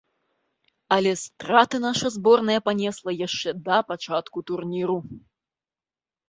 Але страты наша зборная панесла яшчэ да пачатку турніру.